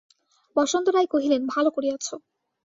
বসন্ত রায় কহিলেন, ভালো করিয়াছ।